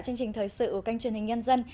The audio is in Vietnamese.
chương trình thời sự của kênh truyền hình nhân dân